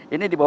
ini di bawah